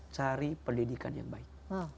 cari pendidikan yang baik